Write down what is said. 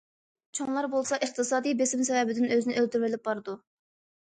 چوڭلار بولسا ئىقتىسادىي بېسىم سەۋەبىدىن ئۆزىنى ئۆلتۈرۈۋېلىپ بارىدۇ.